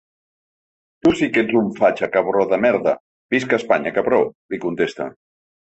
Tu sí que ets un fatxa, cabró de merda, visca Espanya cabró, li contesta.